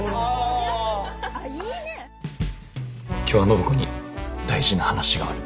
今日は暢子に大事な話がある。